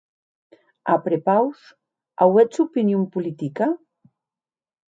A prepaus, auètz opinon politica?